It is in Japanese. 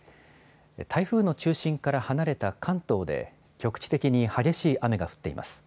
台風の中心から離れた関東で局地的に激しい雨が降っています。